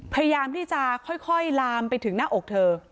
พยายามที่จะค่อยลามไปถึงหน้าอกเธอ